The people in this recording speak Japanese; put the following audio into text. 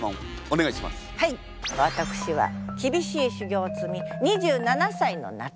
私はきびしい修行をつみ２７歳の夏